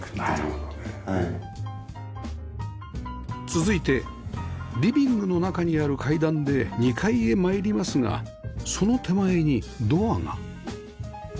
続いてリビングの中にある階段で２階へ参りますがその手前にドアが